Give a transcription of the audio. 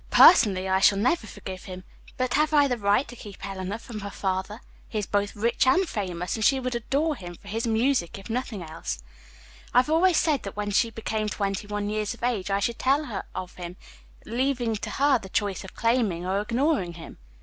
"Personally, I shall never forgive him, but have I the right to keep Eleanor from her father? He is both rich and famous, and she would adore him, for his music, if for nothing else. I have always said that when she became twenty one years of age I should tell her of him, leaving to her the choice of claiming or ignoring him.